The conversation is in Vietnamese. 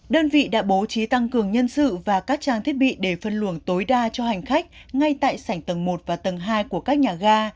đơn vị đã bố trí tăng cường nhân sự và các trang thiết bị để phân luồng tối đa cho hành khách ngay tại sảnh tầng một và tầng hai của các nhà ga